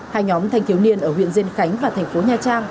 hai nhóm thanh thiếu niên ở huyện dên khánh và tp nha trang